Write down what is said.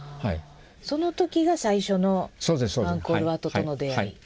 その時が最初のアンコール・ワットとの出会い。